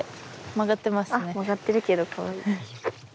曲がってるけどかわいい。